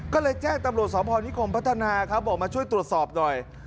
ก็เลยแจ้งตำรวจสพนิคมพัฒนาครับบอกมาช่วยตรวจสอบหน่อย